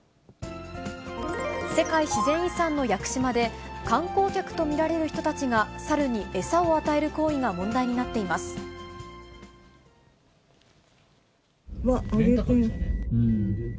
世界自然遺産の屋久島で、観光客と見られる人たちが、サルに餌を与える行為が問題になうわっ、あげてる。